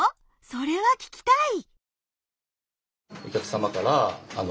それは聞きたい！